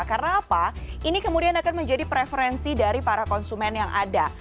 karena apa ini kemudian akan menjadi preferensi dari para konsumen yang ada